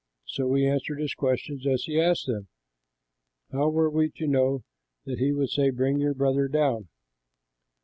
So we answered his questions as he asked them. How were we to know that he would say, 'Bring your brother down'?"